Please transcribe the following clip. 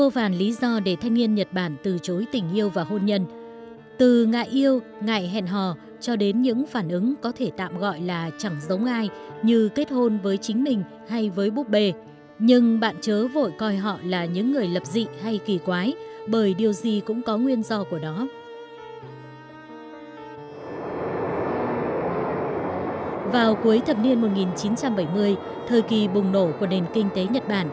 hãy đăng ký kênh để ủng hộ kênh của chúng mình nhé